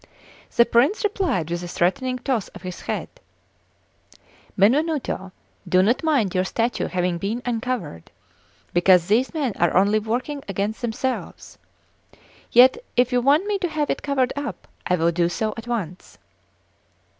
The Prince replied with a threatening toss of his head: "Benvenuto, do not mind your statue having been uncovered, because these men are only working against themselves; yet if you want me to have it covered up, I will do so at once."